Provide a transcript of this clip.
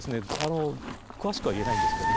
詳しくは言えないんですけれども。